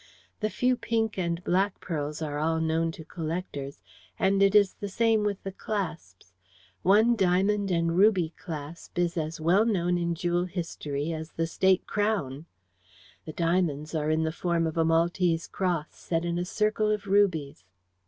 The few pink and black pearls are all known to collectors, and it is the same with the clasps. One diamond and ruby clasp is as well known in jewel history as the State Crown. The diamonds are in the form of a Maltese Cross, set in a circle of rubies."